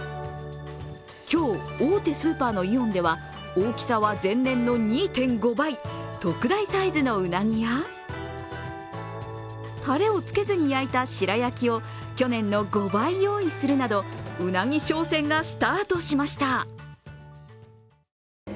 今日、大手スーパーのイオンでは大きさは前年の２．５倍特大サイズのうなぎやたれをつけずに焼いた白焼きを去年の５倍用意するなど、うなぎ商戦がスタートしました。